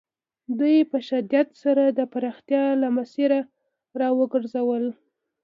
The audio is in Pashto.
دوی په شدت سره د پراختیا له مسیره را وګرځول.